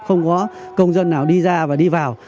không có công dân nào đi ra và đi vào